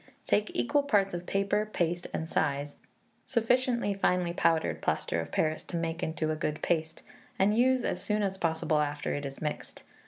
Take equal parts of paper, paste, and size, sufficient finely powdered plaster of Paris to make into a good paste, and use as soon as possible after it is mixed.